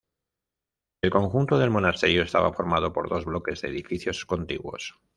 El conjunto del monasterio está formado por dos bloques de edificios contiguos.